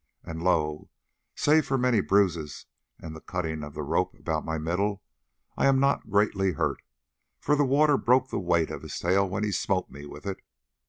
And lo! save for many bruises and the cutting of the rope about my middle, I am not greatly hurt, for the water broke the weight of his tail when he smote me with it.